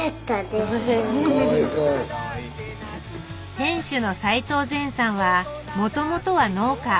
店主の斉藤全さんはもともとは農家。